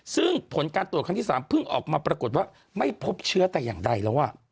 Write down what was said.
ซึ่งผลการตรวจครั้งที่๓เพิ่งออกมาปรากฏว่าไม่พบเชื้อแต่อย่างใดแล้ว